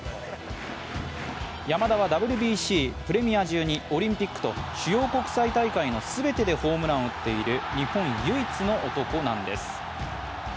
山田はＷＢＣ、プレミア１２オリンピックと主要国際大会の全てでホームランを打っている日本唯一の男なんです。